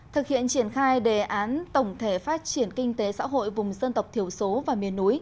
thực hiện triển khai đề án tổng thể phát triển kinh tế xã hội vùng dân tộc thiểu số và miền núi